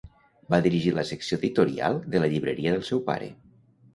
Va dirigir la secció editorial de la llibreria del seu pare.